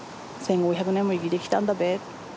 １，５００年も生きてきたんだべ。